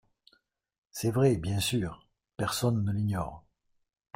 C’est vrai, bien sûr : personne ne l’ignore.